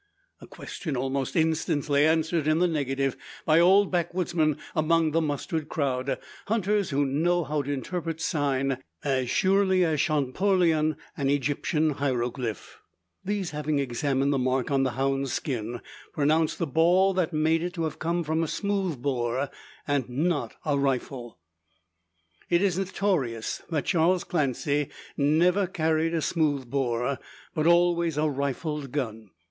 A question almost instantly answered in the negative; by old backwoodsmen among the mustered crowd hunters who know how to interpret "sign" as surely as Champollion an Egyptian hieroglyph. These having examined the mark on the hound's skin, pronounce the ball that made it to have come from a smooth bore, and not a rifle. It is notorious, that Charles Clancy never carried a smooth bore, but always a rifled gun.